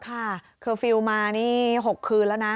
เคอร์ฟิลล์มานี่๖คืนแล้วนะ